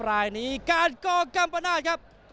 รายนี้การก่อกัมปนาศครับ